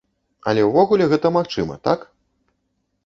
Але ўвогуле гэта магчыма, так?